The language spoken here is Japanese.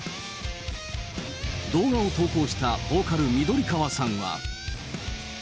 動画を投稿したボーカル、緑川さんは。